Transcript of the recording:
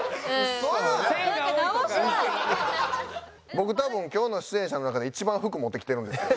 僕多分今日の出演者の中で一番服持ってきてるんですよ。